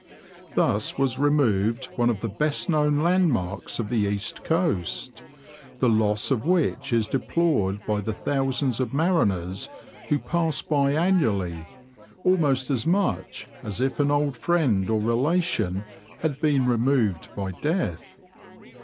Thus was removed one of the best known landmarks of the East Coast, the loss of which is deplored by the thousands of mariners who pass by annually, almost as much as if an old friend or relation had been removed by death.